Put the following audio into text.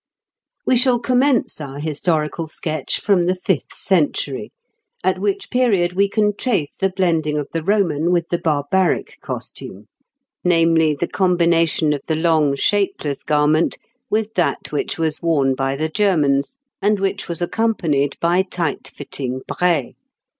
We shall commence our historical sketch from the fifth century, at which period we can trace the blending of the Roman with the barbaric costume namely, the combination of the long, shapeless garment with that which was worn by the Germans, and which was accompanied by tight fitting braies.